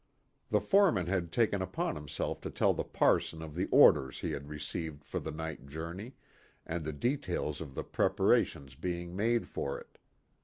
The foreman had taken upon himself to tell the parson of the orders he had received for the night journey, and the details of the preparations being made for it.